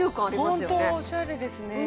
ホントおしゃれですね